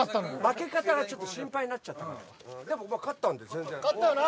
負け方がちょっと心配になっちゃったからここは勝ったんですね全然勝ったよな